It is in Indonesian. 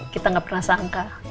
kita gak pernah sangka